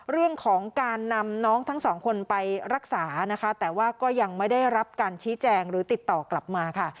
เรื่องของการนำน้องทั้งสองคนไปรักษานะคะแต่ว่าก็ยังไม่ได้รับการชี้แจงหรือติดต่อกลับมาค่ะ